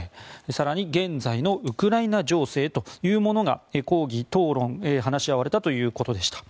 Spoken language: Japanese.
更に現在のウクライナ情勢というものが講義や討論で話し合われたということでした。